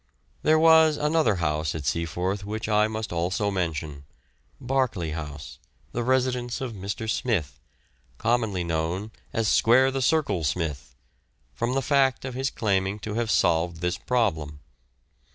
There was another house at Seaforth which I must also mention, Barkeley House, the residence of Mr. Smith, commonly known as "Square the Circle Smith," from the fact of his claiming to have solved this problem.